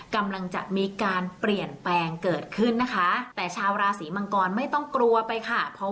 กำลังจะมีการเปลี่ยนแปลงเกิดขึ้นนะคะแต่ชาวราศีมังกรไม่ต้องกลัวไปค่ะ